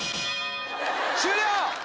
終了！